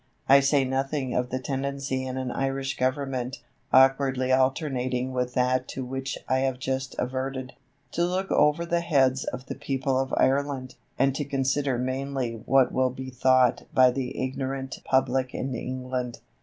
I say nothing of the tendency in an Irish government, awkwardly alternating with that to which I have just adverted, to look over the heads of the people of Ireland, and to consider mainly what will be thought by the ignorant public in England.